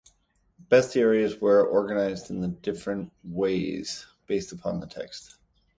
Bestiaries were organized in different ways based upon the text.